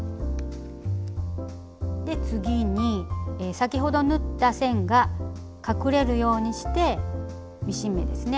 次に先ほど縫った線が隠れるようにしてミシン目ですね